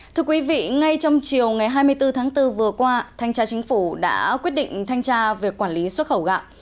thưa quý vị ngay trong chiều ngày hai mươi bốn tháng bốn vừa qua thanh tra chính phủ đã quyết định thanh tra việc quản lý xuất khẩu gạo